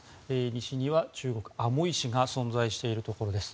西には中国・アモイ市が存在しているところです。